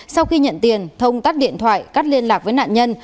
sau khi nhận tiền thông tắt điện thoại cắt liên lạc với nạn nhân